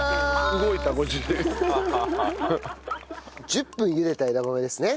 １０分茹でた枝豆ですね。